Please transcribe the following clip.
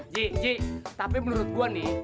ji ji tapi menurut gua nih